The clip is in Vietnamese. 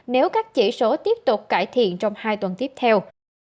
nếu các chỉ số tiếp tục cải thiện trong hai tuần tiếp theo